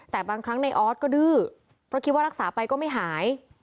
แต่บางครั้งในออสก็ดื้อเพราะคิดว่ารักษาไปก็ไม่หาย